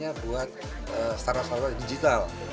misalnya buat startup startup digital